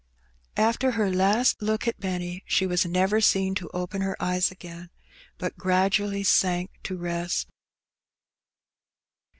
K 130 Heb Benny. After her last look at Benny^ she was never seen to open her eyes again, but gradually sank to rest.